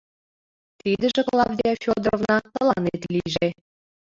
Тидыже, Клавдия Фёдоровна, тыланет лийже.